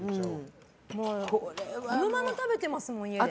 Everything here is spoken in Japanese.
このまま食べてますもん、家で。